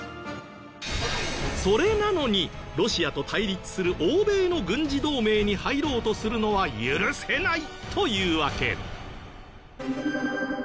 それなのにロシアと対立する欧米の軍事同盟に入ろうとするのは許せないというわけ。